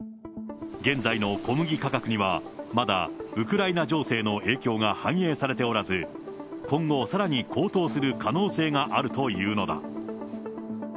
現在の小麦価格には、まだウクライナ情勢の影響が反映されておらず、今後さらに高騰する可能性があるというのだ。